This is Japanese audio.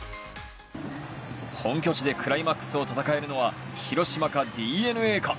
本拠地でクライマックスを戦えるのは広島かＤｅＮＡか。